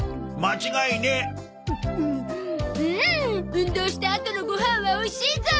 運動したあとのご飯はおいしいゾ！